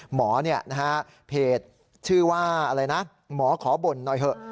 หมอเนี่ยเพจมอส์ขอบ่นหน่อยเหอะ